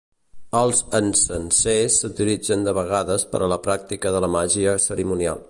Els encensers s'utilitzen de vegades per a la pràctica de la màgia cerimonial.